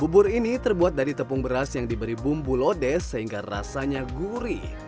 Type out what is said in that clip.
bubur ini terbuat dari tepung beras yang diberi bumbu lodes sehingga rasanya gurih